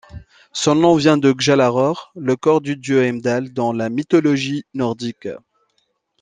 Son nom vient de Gjallarhorn, le cor du dieu Heimdall dans la mythologie nordique.